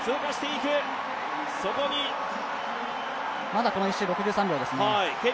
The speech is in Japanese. まだこの１周、６３秒ですね。